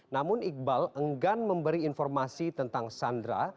namun iqbal enggan memberi informasi tentang sandra